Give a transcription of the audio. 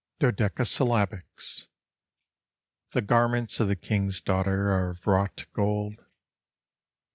DODEKASYLLABICS. T I IE garments of the King's daughter are of wrought gold.